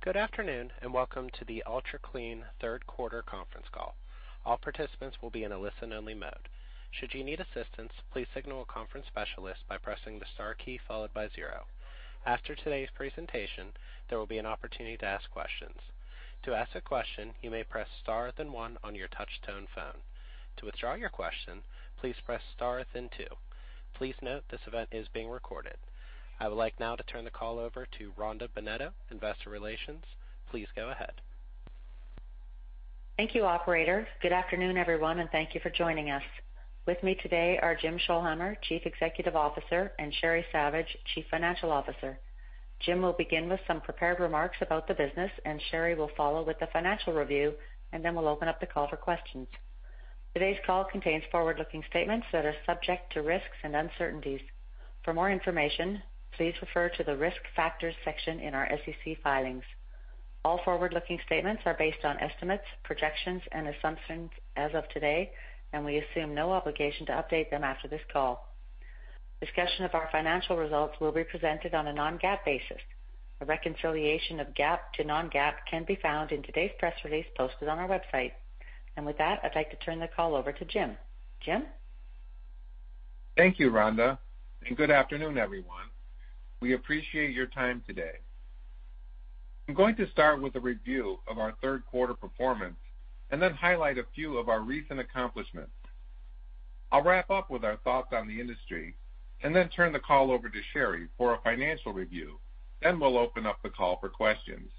Good afternoon and welcome to the Ultra Clean Q3 Conference Call. All participants will be in a listen-only mode. Should you need assistance, please signal a conference specialist by pressing the star key followed by zero. After today's presentation, there will be an opportunity to ask questions. To ask a question, you may press star within one on your touch-tone phone. To withdraw your question, please press star within two. Please note this event is being recorded. I would like now to turn the call over to Rhonda Bennetto, Investor Relations. Please go ahead. Thank you, Operator. Good afternoon, everyone, and thank you for joining us. With me today are Jim Scholhamer, Chief Executive Officer, and Sheri Savage, Chief Financial Officer. Jim will begin with some prepared remarks about the business, and Sheri will follow with the financial review, and then we'll open up the call for questions. Today's call contains forward-looking statements that are subject to risks and uncertainties. For more information, please refer to the risk factors section in our SEC filings. All forward-looking statements are based on estimates, projections, and assumptions as of today, and we assume no obligation to update them after this call. Discussion of our financial results will be presented on a Non-GAAP basis. A reconciliation of GAAP to Non-GAAP can be found in today's press release posted on our website. And with that, I'd like to turn the call over to Jim. Jim? Thank you, Rhonda, and good afternoon, everyone. We appreciate your time today. I'm going to start with a review of our Q3 performance and then highlight a few of our recent accomplishments. I'll wrap up with our thoughts on the industry and then turn the call over to Sheri for a financial review. Then we'll open up the call for questions.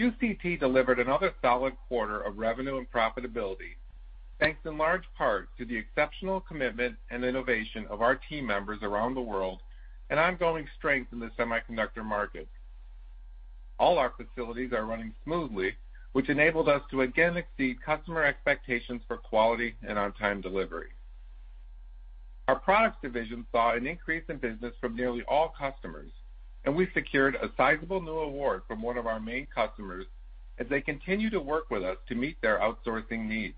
UCT delivered another solid quarter of revenue and profitability thanks in large part to the exceptional commitment and innovation of our team members around the world and ongoing strength in the semiconductor market. All our facilities are running smoothly, which enabled us to again exceed customer expectations for quality and on-time delivery. Our products division saw an increase in business from nearly all customers, and we secured a sizable new award from one of our main customers as they continue to work with us to meet their outsourcing needs.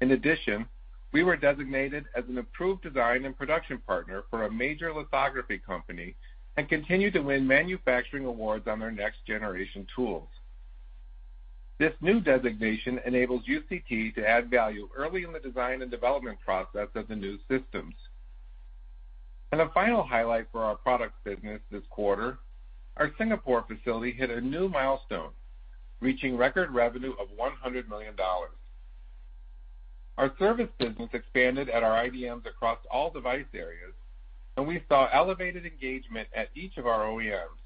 In addition, we were designated as an approved design and production partner for a major lithography company and continue to win manufacturing awards on their next-generation tools. This new designation enables UCT to add value early in the design and development process of the new systems, and a final highlight for our products business this quarter, our Singapore facility hit a new milestone, reaching record revenue of $100 million. Our service business expanded at our IDMs across all device areas, and we saw elevated engagement at each of our OEMs.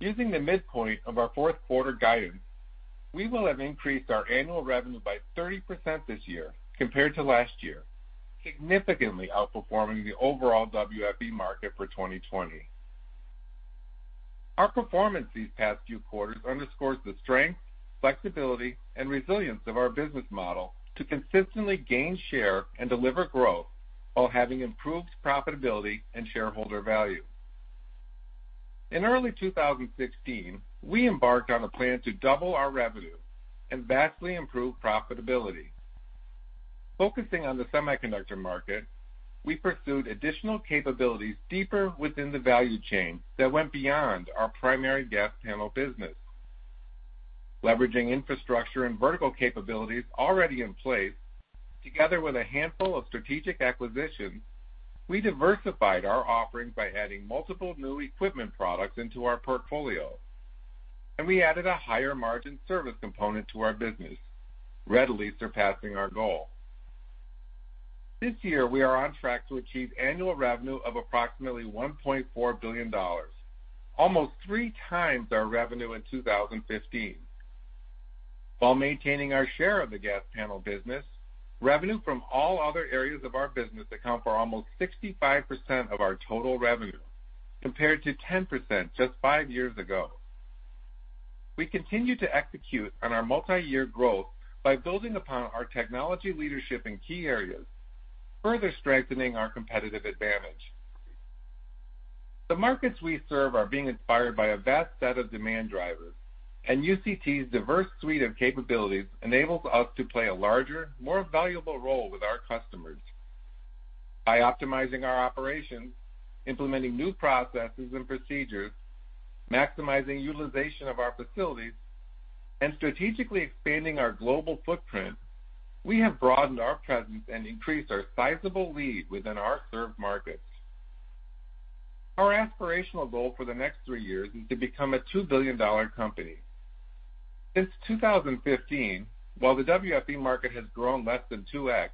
Using the midpoint of our Q4 guidance, we will have increased our annual revenue by 30% this year compared to last year, significantly outperforming the overall WFE market for 2020. Our performance these past few quarters underscores the strength, flexibility, and resilience of our business model to consistently gain share and deliver growth while having improved profitability and shareholder value. In early 2016, we embarked on a plan to double our revenue and vastly improve profitability. Focusing on the semiconductor market, we pursued additional capabilities deeper within the value chain that went beyond our primary gas panel business. Leveraging infrastructure and vertical capabilities already in place, together with a handful of strategic acquisitions, we diversified our offering by adding multiple new equipment products into our portfolio, and we added a higher margin service component to our business, readily surpassing our goal. This year, we are on track to achieve annual revenue of approximately $1.4 billion, almost three times our revenue in 2015. While maintaining our share of the gas panel business, revenue from all other areas of our business accounts for almost 65% of our total revenue, compared to 10% just five years ago. We continue to execute on our multi-year growth by building upon our technology leadership in key areas, further strengthening our competitive advantage. The markets we serve are being inspired by a vast set of demand drivers, and UCT's diverse suite of capabilities enables us to play a larger, more valuable role with our customers. By optimizing our operations, implementing new processes and procedures, maximizing utilization of our facilities, and strategically expanding our global footprint, we have broadened our presence and increased our sizable lead within our served markets. Our aspirational goal for the next three years is to become a $2 billion company. Since 2015, while the WFE market has grown less than 2X,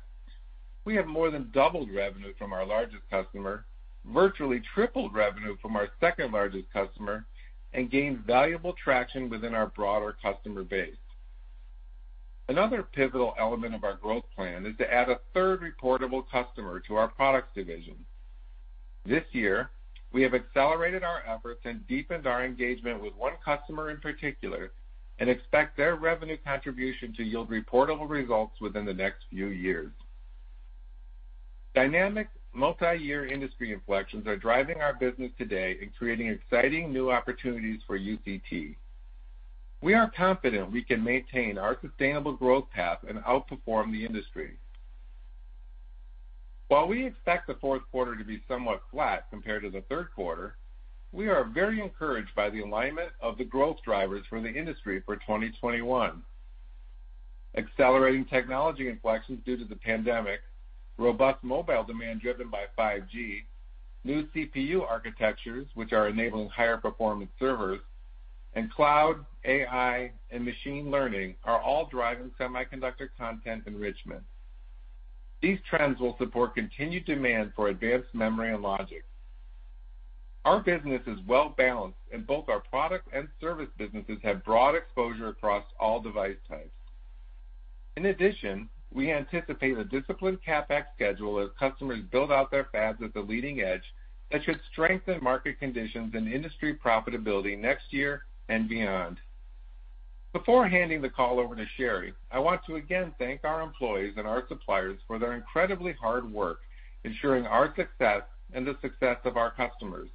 we have more than doubled revenue from our largest customer, virtually tripled revenue from our second largest customer, and gained valuable traction within our broader customer base. Another pivotal element of our growth plan is to add a third reportable customer to our products division. This year, we have accelerated our efforts and deepened our engagement with one customer in particular and expect their revenue contribution to yield reportable results within the next few years. Dynamic multi-year industry inflections are driving our business today and creating exciting new opportunities for UCT. We are confident we can maintain our sustainable growth path and outperform the industry. While we expect the Q4 to be somewhat flat compared to the Q3, we are very encouraged by the alignment of the growth drivers for the industry for 2021. Accelerating technology inflections due to the pandemic, robust mobile demand driven by 5G, new CPU architectures, which are enabling higher performance servers, and cloud, AI, and machine learning are all driving semiconductor content enrichment. These trends will support continued demand for advanced memory and logic. Our business is well-balanced, and both our product and service businesses have broad exposure across all device types. In addition, we anticipate a disciplined CapEx schedule as customers build out their fabs at the leading edge that should strengthen market conditions and industry profitability next year and beyond. Before handing the call over to SherI, I want to again thank our employees and our suppliers for their incredibly hard work ensuring our success and the success of our customers.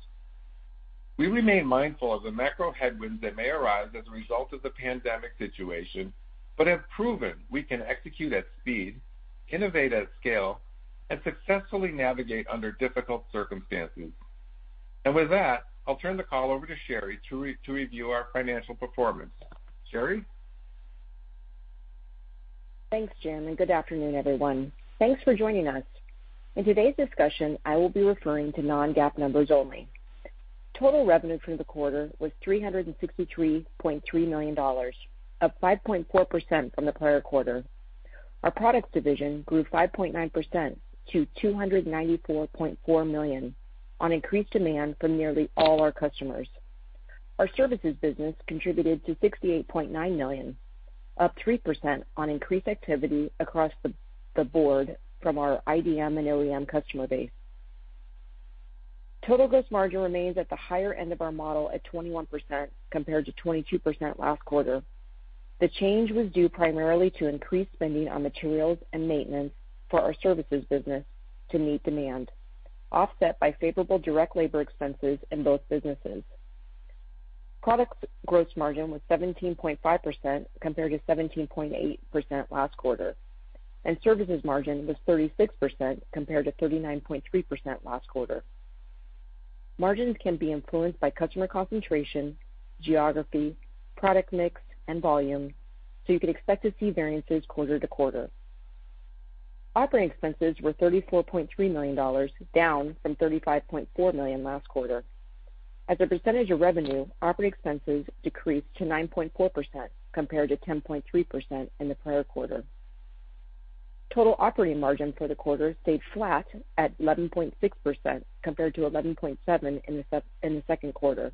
We remain mindful of the macro headwinds that may arise as a result of the pandemic situation, but have proven we can execute at speed, innovate at scale, and successfully navigate under difficult circumstances. And with that, I'll turn the call over to Sherry to review our financial performance. Sheri? Thanks, Jim, and good afternoon, everyone. Thanks for joining us. In today's discussion, I will be referring to Non-GAAP numbers only. Total revenue for the quarter was $363.3 million, up 5.4% from the prior quarter. Our products division grew 5.9% to $294.4 million on increased demand from nearly all our customers. Our services business contributed to $68.9 million, up 3% on increased activity across the board from our IDM and OEM customer base. Total gross margin remains at the higher end of our model at 21% compared to 22% last quarter. The change was due primarily to increased spending on materials and maintenance for our services business to meet demand, offset by favorable direct labor expenses in both businesses. Products gross margin was 17.5% compared to 17.8% last quarter, and services margin was 36% compared to 39.3% last quarter. Margins can be influenced by customer concentration, geography, product mix, and volume, so you can expect to see variances quarter-to-quarter. Operating expenses were $34.3 million, down from $35.4 million last quarter. As a percentage of revenue, operating expenses decreased to 9.4% compared to 10.3% in the prior quarter. Total operating margin for the quarter stayed flat at 11.6% compared to 11.7% in the Q2.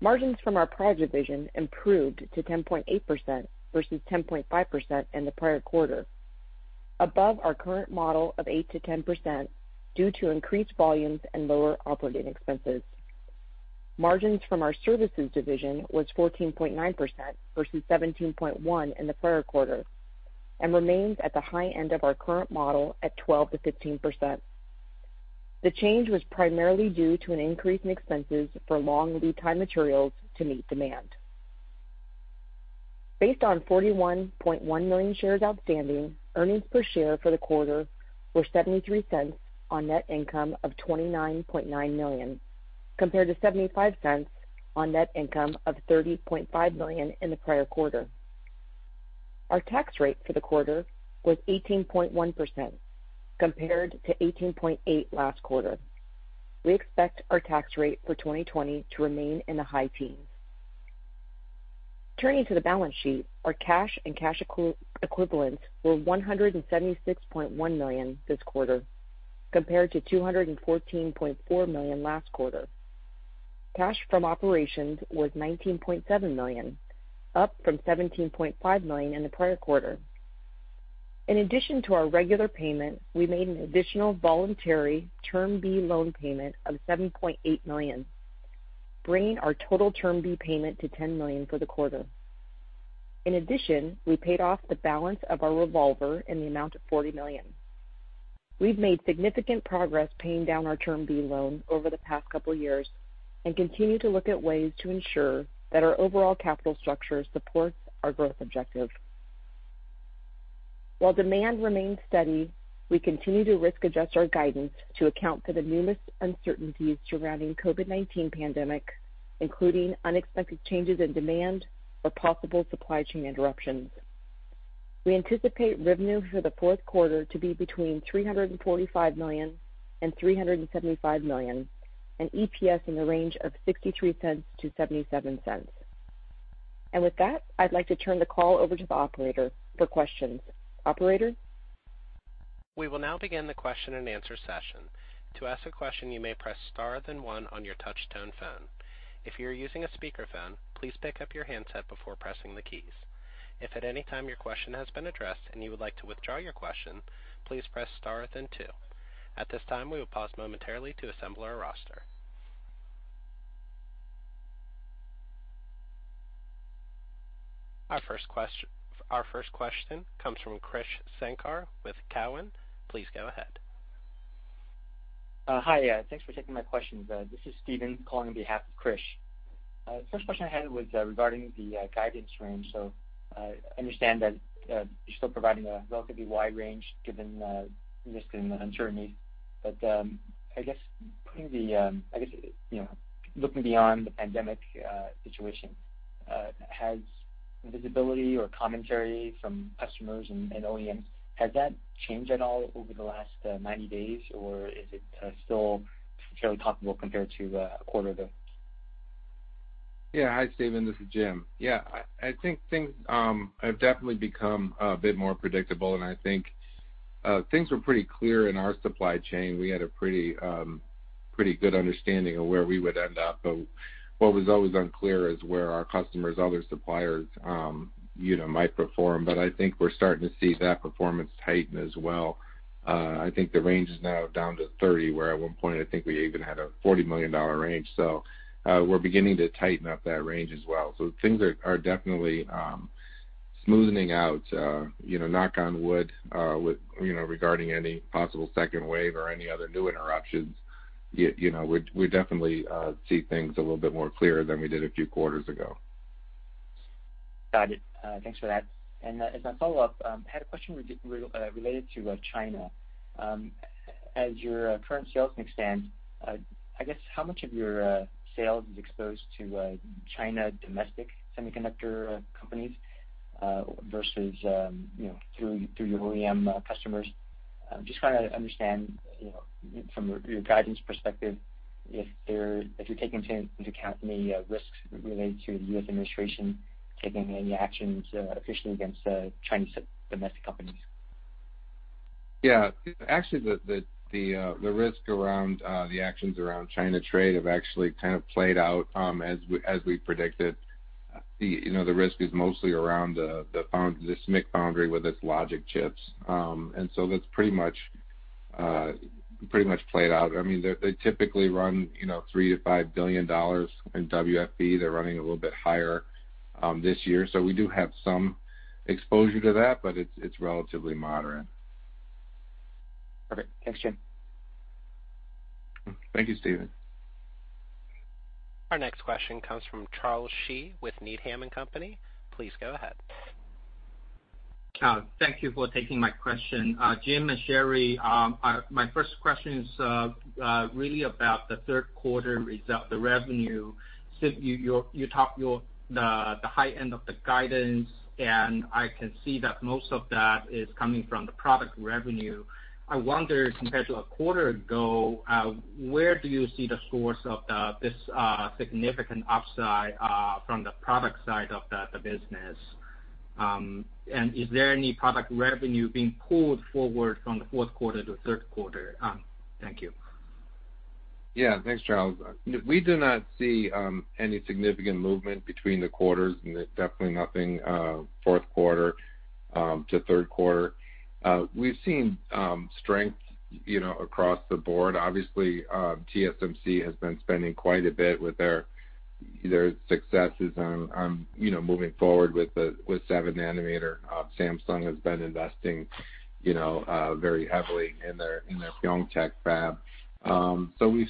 Margins from our product division improved to 10.8% versus 10.5% in the prior quarter, above our current model of 8% to 10% due to increased volumes and lower operating expenses. Margins from our services division was 14.9% versus 17.1% in the prior quarter and remains at the high end of our current model at 12% to 15%. The change was primarily due to an increase in expenses for long lead-time materials to meet demand. Based on $41.1 million shares outstanding, earnings per share for the quarter were $0.73 on net income of $29.9 million compared to $0.75 on net income of $30.5 million in the prior quarter. Our tax rate for the quarter was 18.1% compared to 18.8% last quarter. We expect our tax rate for 2020 to remain in the high teens. Turning to the balance sheet, our cash and cash equivalents were $176.1 million this quarter compared to $214.4 million last quarter. Cash from operations was $19.7 million, up from $17.5 million in the prior quarter. In addition to our regular payment, we made an additional voluntary Term B loan payment of $7.8 million, bringing our total Term B payment to $10 million for the quarter. In addition, we paid off the balance of our revolver in the amount of $40 million. We've made significant progress paying down our Term B Loan over the past couple of years and continue to look at ways to ensure that our overall capital structure supports our growth objective. While demand remains steady, we continue to risk-adjust our guidance to account for the newest uncertainties surrounding the COVID-19 pandemic, including unexpected changes in demand or possible supply chain interruptions. We anticipate revenue for the Q4 to be between $345 million and $375 million, and EPS in the range of $0.63 to $0.77. And with that, I'd like to turn the call over to the operator for questions. Operator? We will now begin the question and answer session. To ask a question, you may press star then one on your touch-tone phone. If you're using a speakerphone, please pick up your handset before pressing the keys. If at any time your question has been addressed and you would like to withdraw your question, please press star then two. At this time, we will pause momentarily to assemble our roster. Our first question comes from Krish Sankar with Cowen. Please go ahead. Hi, yeah, thanks for taking my questions. This is Steven calling on behalf of Krish. The first question I had was regarding the guidance range. So I understand that you're still providing a relatively wide range given the risk and uncertainty, but I guess putting the, I guess, looking beyond the pandemic situation, has visibility or commentary from customers and OEMs, has that changed at all over the last 90 days, or is it still fairly comparable compared to a quarter ago? Yeah, hi Steven, this is Jim. Yeah, I think things have definitely become a bit more predictable, and I think things were pretty clear in our supply chain. We had a pretty good understanding of where we would end up. But what was always unclear is where our customers, other suppliers, might perform. But I think we're starting to see that performance tighten as well. I think the range is now down to $30 million, where at one point I think we even had a $40 million range. So we're beginning to tighten up that range as well. So things are definitely smoothing out, knock on wood, regarding any possible second wave or any other new interruptions. We definitely see things a little bit more clear than we did a few quarters ago. Got it. Thanks for that. And as a follow-up, I had a question related to China. As your current sales mix stands, I guess how much of your sales is exposed to China domestic semiconductor companies versus through your OEM customers? Just trying to understand from your guidance perspective if you're taking into account any risks related to the U.S. administration taking any actions officially against Chinese domestic companies. Yeah, actually the risk around the actions around China trade have actually kind of played out as we predicted. The risk is mostly around the SMIC foundry with its logic chips. And so that's pretty much played out. I mean, they typically run $3 to 5 billion in WFE. They're running a little bit higher this year. So we do have some exposure to that, but it's relatively moderate. Perfect. Thanks, Jim. Thank you, Steven. Our next question comes from Charles Shi with Needham & Company. Please go ahead. Thank you for taking my question. Jim and Sherry, my first question is really about the third quarter result, the revenue. You talked about the high end of the guidance, and I can see that most of that is coming from the product revenue. I wonder compared to a quarter ago, where do you see the source of this significant upside from the product side of the business? And is there any product revenue being pulled forward from the Q4 to the Q3? Thank you. Yeah, thanks, Charles. We do not see any significant movement between the quarters, definitely nothing Q4 to Q3. We've seen strength across the board. Obviously, TSMC has been spending quite a bit with their successes on moving forward with the 7 nanometer. Samsung has been investing very heavily in their Pyeongtaek fab. So we've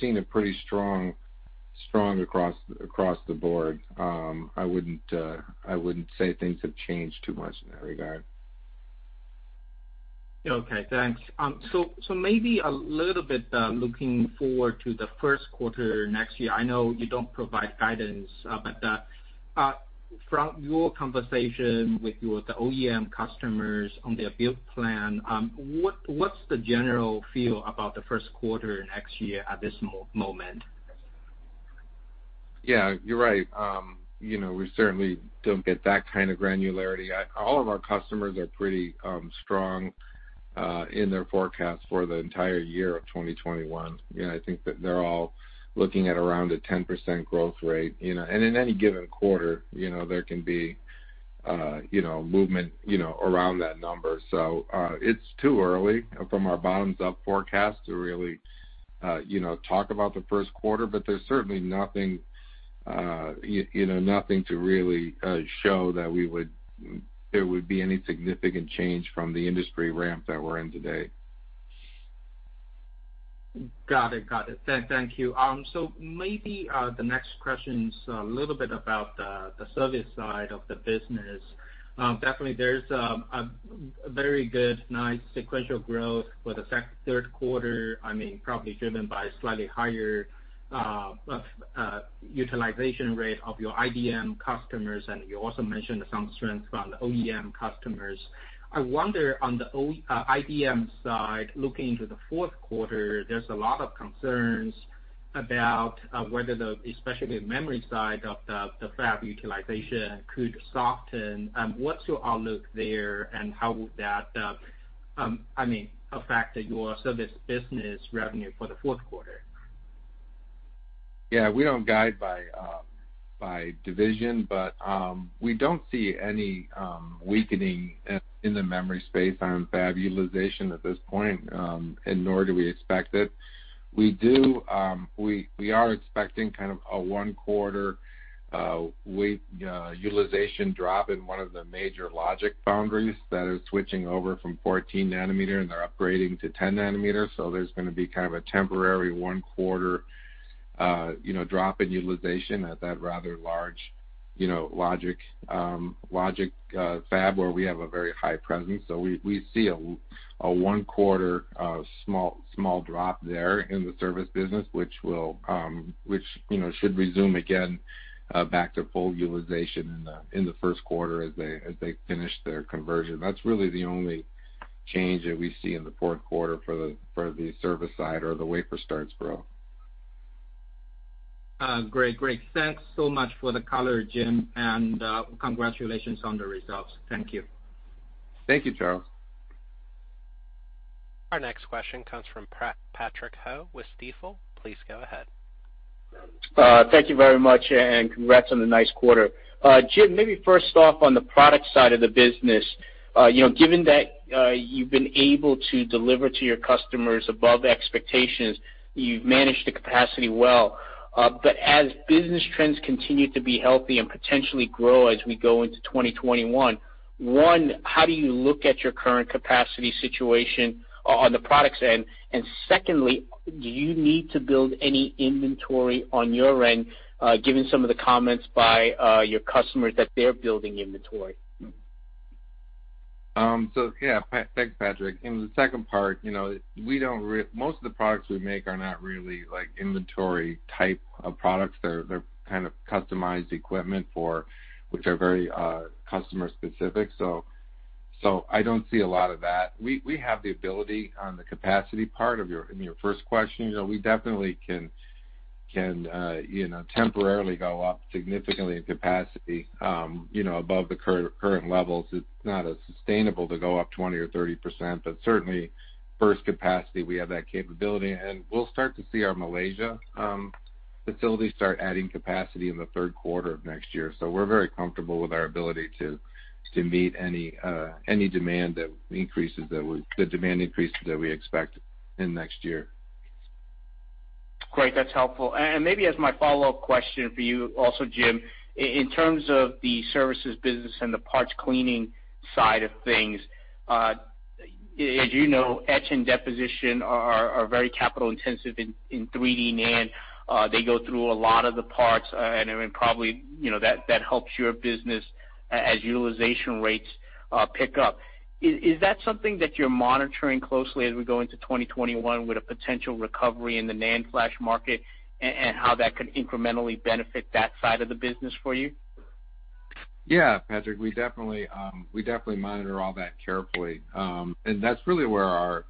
seen a pretty strong across the board. I wouldn't say things have changed too much in that regard. Okay, thanks. So maybe a little bit looking forward to the Q1 next year. I know you don't provide guidance, but from your conversation with the OEM customers on their build plan, what's the general feel about the Q1 next year at this moment? Yeah, you're right. We certainly don't get that kind of granularity. All of our customers are pretty strong in their forecast for the entire year of 2021. I think that they're all looking at around a 10% growth rate. And in any given quarter, there can be movement around that number. So it's too early from our bottoms-up forecast to really talk about the Q1, but there's certainly nothing to really show that there would be any significant change from the industry ramp that we're in today. Got it. Got it. Thank you. So maybe the next question is a little bit about the service side of the business. Definitely, there's a very good, nice sequential growth for the Q3. I mean, probably driven by slightly higher utilization rate of your IDM customers. You also mentioned some strength from the OEM customers. I wonder on the IDM side, looking into the Q4, there's a lot of concerns about whether the, especially the memory side of the fab utilization could soften. What's your outlook there and how would that, I mean, affect your service business revenue for the Q4? Yeah, we don't guide by division, but we don't see any weakening in the memory space on fab utilization at this point, and nor do we expect it. We are expecting kind of a one-quarter utilization drop in one of the major logic foundries that are switching over from 14 nanometer, and they're upgrading to 10 nanometer. So there's going to be kind of a temporary one-quarter drop in utilization at that rather large logic fab where we have a very high presence. So we see a one-quarter small drop there in the service business, which should resume again back to full utilization in the Q1 as they finish their conversion. That's really the only change that we see in the Q4 for the service side or the wafer starts growth. Great. Great. Thanks so much for the color, Jim. And congratulations on the results. Thank you. Thank you, Charles. Our next question comes from Patrick Ho with Stifel. Please go ahead. Thank you very much and congrats on a nice quarter. Jim, maybe first off on the product side of the business, given that you've been able to deliver to your customers above expectations, you've managed the capacity well. But as business trends continue to be healthy and potentially grow as we go into 2021, one, how do you look at your current capacity situation on the product side? And secondly, do you need to build any inventory on your end, given some of the comments by your customers that they're building inventory? Yeah, thanks, Patrick. In the second part, most of the products we make are not really inventory type of products. They're kind of customized equipment for which are very customer-specific. I don't see a lot of that. We have the ability on the capacity part of your first question. We definitely can temporarily go up significantly in capacity above the current levels. It's not sustainable to go up 20% or 30%, but certainly burst capacity, we have that capability. We'll start to see our Malaysia facility start adding capacity in the Q3 of next year. We're very comfortable with our ability to meet any demand that increases the demand increase that we expect in next year. Great. That's helpful. And maybe as my follow-up question for you also, Jim, in terms of the services business and the parts cleaning side of things, as you know, etch and deposition are very capital-intensive in 3D NAND. They go through a lot of the parts. And I mean, probably that helps your business as utilization rates pick up. Is that something that you're monitoring closely as we go into 2021 with a potential recovery in the NAND flash market and how that could incrementally benefit that side of the business for you? Yeah, Patrick, we definitely monitor all that carefully. That's really where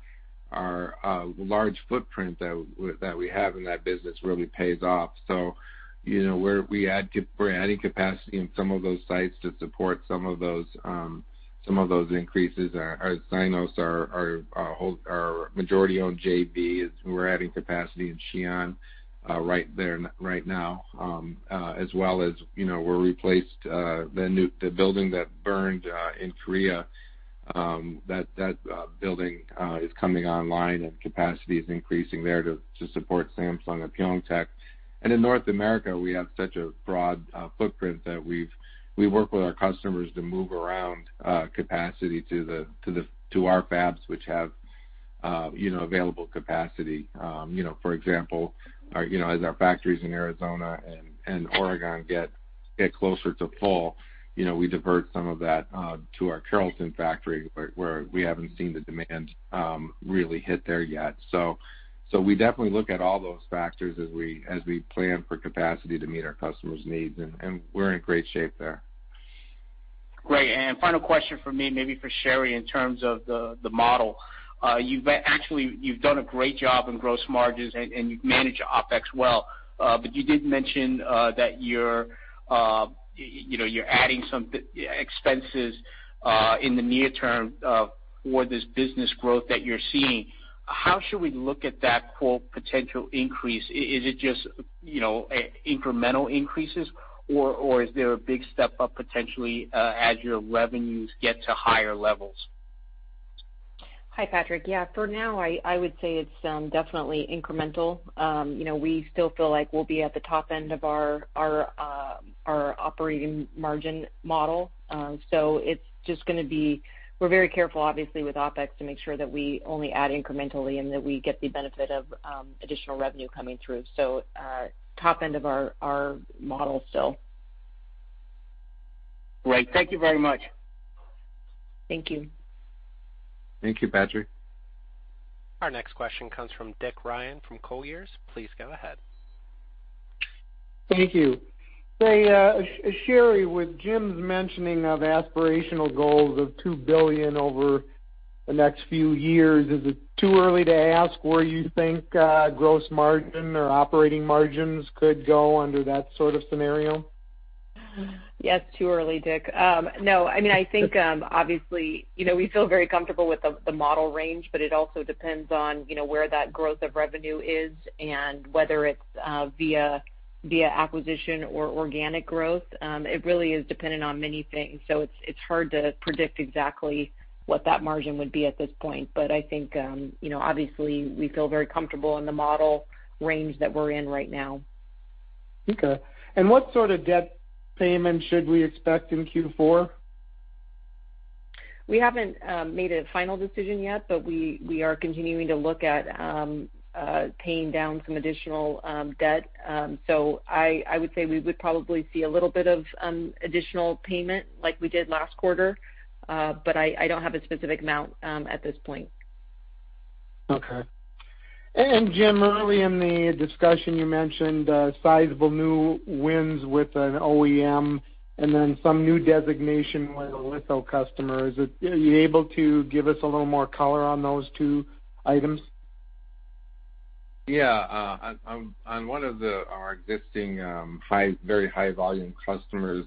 our large footprint that we have in that business really pays off. We're adding capacity in some of those sites to support some of those increases. Our Cinos, our majority-owned JV, we're adding capacity in Xi'an right now, as well as we're replaced the building that burned in Korea. That building is coming online and capacity is increasing there to support Samsung and Pyeongtaek. In North America, we have such a broad footprint that we work with our customers to move around capacity to our fabs which have available capacity. For example, as our factories in Arizona and Oregon get closer to full, we divert some of that to our Carrollton factory where we haven't seen the demand really hit there yet. So we definitely look at all those factors as we plan for capacity to meet our customers' needs. And we're in great shape there. Great, and final question for me, maybe for Sheri in terms of the model. Actually, you've done a great job in gross margins and you've managed OpEx well, but you did mention that you're adding some expenses in the near term for this business growth that you're seeing. How should we look at that quote potential increase? Is it just incremental increases or is there a big step up potentially as your revenues get to higher levels? Hi, Patrick. Yeah, for now, I would say it's definitely incremental. We still feel like we'll be at the top end of our operating margin model. So it's just going to be we're very careful, obviously, with OpEx to make sure that we only add incrementally and that we get the benefit of additional revenue coming through. So top end of our model still. Great. Thank you very much. Thank you. Thank you, Patrick. Our next question comes from Dick Ryan from Colliers. Please go ahead. Thank you. Sheri, with Jim's mentioning of aspirational goals of two billion over the next few years, is it too early to ask where you think gross margin or operating margins could go under that sort of scenario? Yes, too early, Dick. No, I mean, I think obviously we feel very comfortable with the model range, but it also depends on where that growth of revenue is and whether it's via acquisition or organic growth. It really is dependent on many things. So it's hard to predict exactly what that margin would be at this point. But I think obviously we feel very comfortable in the model range that we're in right now. Okay, and what sort of debt payment should we expect in Q4? We haven't made a final decision yet, but we are continuing to look at paying down some additional debt. So I would say we would probably see a little bit of additional payment like we did last quarter, but I don't have a specific amount at this point. Okay. And Jim, early in the discussion, you mentioned sizable new wins with an OEM and then some new designation with a litho customer. Are you able to give us a little more color on those two items? Yeah. On one of our existing very high-volume customers,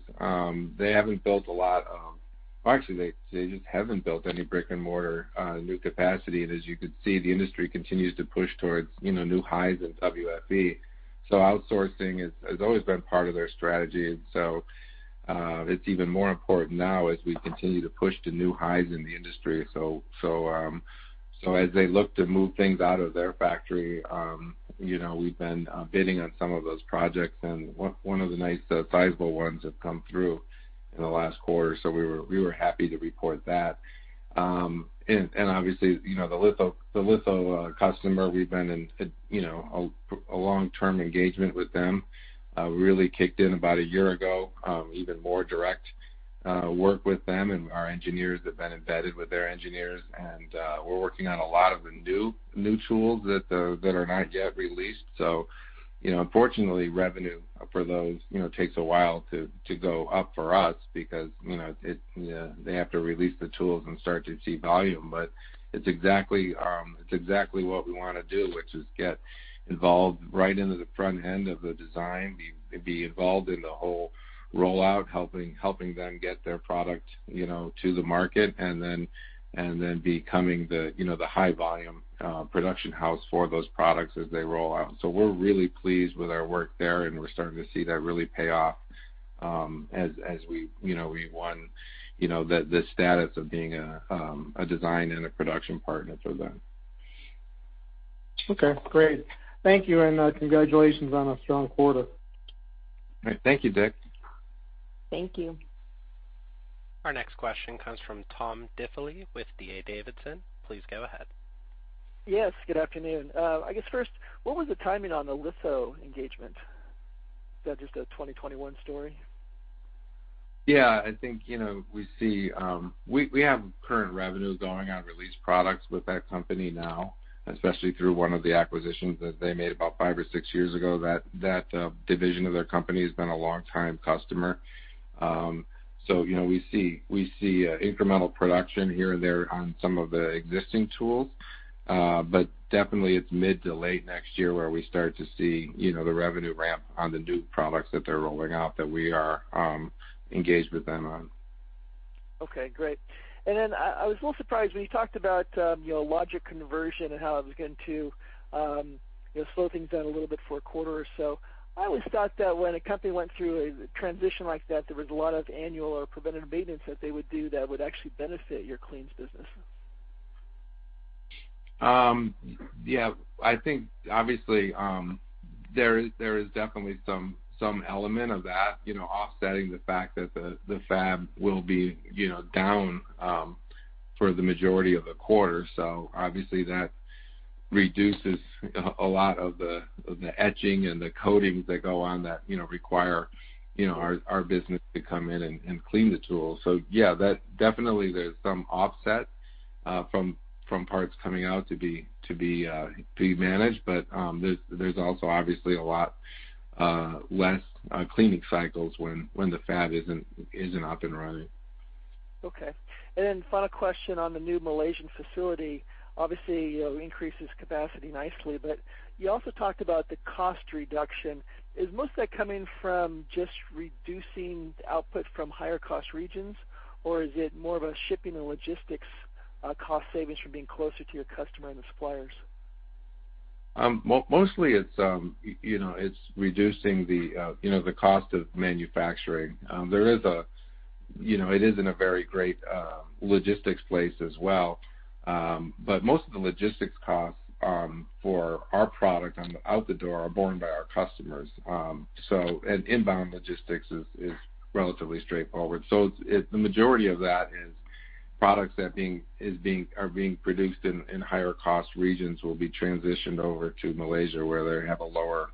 they haven't built a lot of well, actually, they just haven't built any brick-and-mortar new capacity. And as you could see, the industry continues to push towards new highs in WFE. So outsourcing has always been part of their strategy. And so it's even more important now as we continue to push to new highs in the industry. So as they look to move things out of their factory, we've been bidding on some of those projects. And one of the nice sizable ones has come through in the last quarter. So we were happy to report that. And obviously, the litho customer, we've been in a long-term engagement with them. We really kicked in about a year ago, even more direct work with them. And our engineers have been embedded with their engineers. And we're working on a lot of the new tools that are not yet released. So unfortunately, revenue for those takes a while to go up for us because they have to release the tools and start to see volume. But it's exactly what we want to do, which is get involved right into the front end of the design, be involved in the whole rollout, helping them get their product to the market, and then becoming the high-volume production house for those products as they roll out. So we're really pleased with our work there, and we're starting to see that really pay off as we won the status of being a design and a production partner for them. Okay. Great. Thank you. And congratulations on a strong quarter. All right. Thank you, Dick. Thank you. Our next question comes from Tom Diffely with D.A. Davidson. Please go ahead. Yes. Good afternoon. I guess first, what was the timing on the litho customer engagement? Is that just a 2021 story? Yeah. I think we see we have current revenue going on legacy products with that company now, especially through one of the acquisitions that they made about five or six years ago. That division of their company has been a long-time customer. So we see incremental production here and there on some of the existing tools. But definitely, it's mid to late next year where we start to see the revenue ramp on the new products that they're rolling out that we are engaged with them on. Okay. Great. And then I was a little surprised when you talked about logic conversion and how it was going to slow things down a little bit for a quarter or so. I always thought that when a company went through a transition like that, there was a lot of annual or preventative maintenance that they would do that would actually benefit your clean business. Yeah. I think obviously there is definitely some element of that, offsetting the fact that the fab will be down for the majority of the quarter. So obviously, that reduces a lot of the etching and the coatings that go on that require our business to come in and clean the tools. So yeah, definitely there's some offset from parts coming out to be managed. But there's also obviously a lot less cleaning cycles when the fab isn't up and running. Okay. And then final question on the new Malaysian facility. Obviously, it increases capacity nicely, but you also talked about the cost reduction. Is most of that coming from just reducing output from higher cost regions, or is it more of a shipping and logistics cost savings from being closer to your customer and the suppliers? Mostly, it's reducing the cost of manufacturing. It isn't a very great logistics place as well, but most of the logistics costs for our product out the door are borne by our customers, and inbound logistics is relatively straightforward, so the majority of that is products that are being produced in higher cost regions will be transitioned over to Malaysia where they have a lower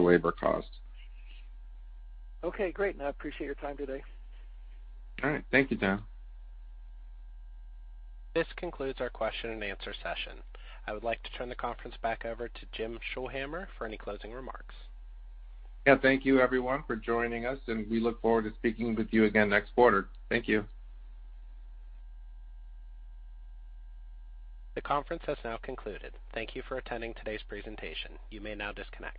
labor cost. Okay. Great. And I appreciate your time today. All right. Thank you, Tom. This concludes our question and answer session. I would like to turn the conference back over to Jim Scholhamer for any closing remarks. Yeah. Thank you, everyone, for joining us. And we look forward to speaking with you again next quarter. Thank you. The conference has now concluded. Thank you for attending today's presentation. You may now disconnect.